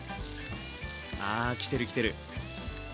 あ来てる来てる。